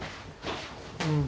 うん。